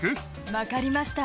分かりました。